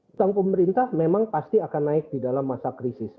utang pemerintah memang pasti akan naik di dalam masa krisis